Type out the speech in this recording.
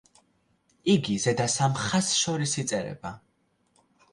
იგი ზედა სამ ხაზს შორის იწერება.